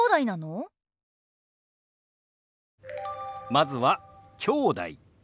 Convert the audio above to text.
まずは「きょうだい」。